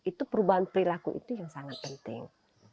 itu perubahan perilaku itu yang sangat penting